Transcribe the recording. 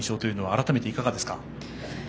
改めていかがですか？